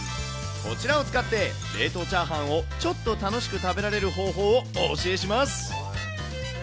こちらを使って、冷凍チャーハンをちょっと楽しく食べられる方法をお教えします。